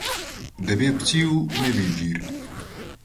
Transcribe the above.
دەبێ پچی و نەبی گیر